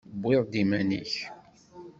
Tewwiḍ-d iman-ik.